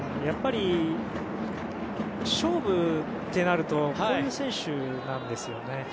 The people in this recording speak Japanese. やっぱり勝負ってなるとこういう選手なんですよね。